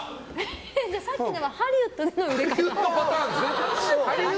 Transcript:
さっきのはハリウッドの売れ方？